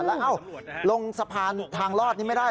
แล้วเอ้าลงสะพานทางรอดนี่ไม่ได้